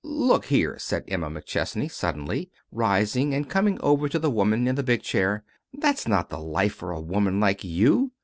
"Look here," said Emma McChesney, suddenly, rising and coming over to the woman in the big chair, "that's not the life for a woman like you.